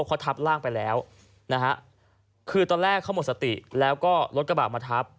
เขาทับร่างไปแล้วนะฮะคือตอนแรกเขาหมดสติแล้วก็รถกระบะมาทับ